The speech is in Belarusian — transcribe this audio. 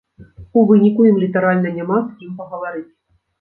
У выніку ім літаральна няма з кім пагаварыць.